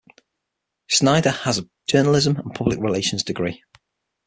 Snyder has a journalism and public relations degree.